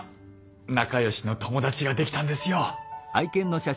仲良しの友達ができたんですよ。